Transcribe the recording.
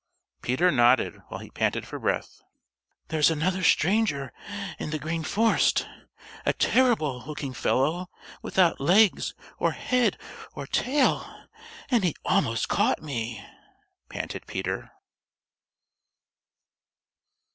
Peter nodded while he panted for breath. "There's another stranger in the Green Forest, a terrible looking fellow without legs or head or tail, and he almost caught me!" panted Peter.